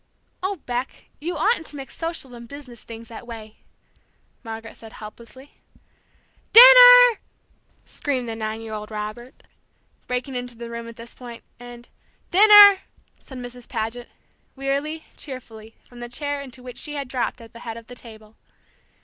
"Oh, Beck, you oughtn't to mix social and business things that way!" Margaret said helplessly. "Dinner!" screamed the nine year old Robert, breaking into the room at this point, and "Dinner!" said Mrs. Paget, wearily, cheerfully, from the chair into which she had dropped at the head of the table.